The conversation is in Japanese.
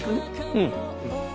うん。